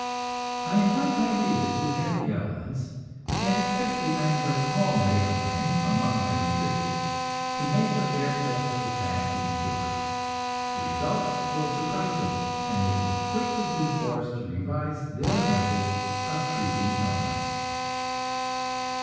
I invite my readers who have ailments, and especially I invite all medical men among my readers, to make a fair test of the fasting cure. The results will surprise them, and they will quickly be forced to revise their methods of treating illness.